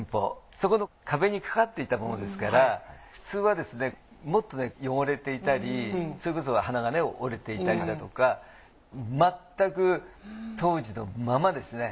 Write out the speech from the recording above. そこの壁にかかっていたものですから普通はですねもっと汚れていたりそれこそ鼻がね折れていたりだとかまったく当時のままですね。